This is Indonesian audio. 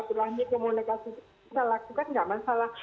kalau sudah berlangsung komunikasi kita lakukan tidak masalah